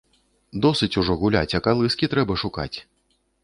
Досыць ужо гуляць, а калыскі трэба шукаць.